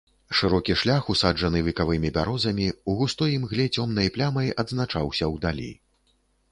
Шырокі шлях, усаджаны векавымі бярозамі, у густой імгле цёмнай плямай адзначаўся ўдалі.